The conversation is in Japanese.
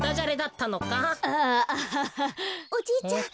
おじいちゃん